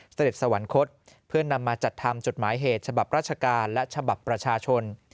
เสด็จสวรรคตเพื่อนำมาจัดทำจดหมายเหตุฉบับราชการและฉบับประชาชน